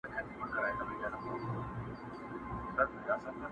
مور په ژړا سي خو عمل بدلولای نه سي.